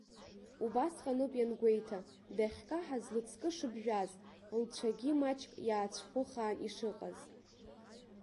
Убасҟаноуп иангәеиҭа, дахькаҳаз лыҵкы шыԥжәаз, лцәагьы маҷк иаацәӷәыхаан ишыҟаз.